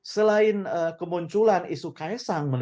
selain kemunculan isu kaisang